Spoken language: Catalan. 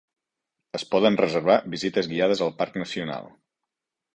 Es poden reservar visites guiades al parc nacional.